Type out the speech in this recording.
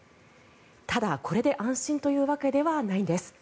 ただ、これで安心というわけではないんです。